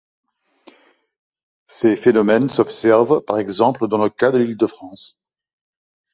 Ces phénomènes s'observent par exemple dans le cas de l’Île de France.